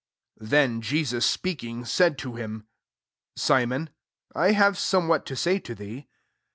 40 Then Jesus speaking, said to him, <^ Simon, I have somewhat to say to thee."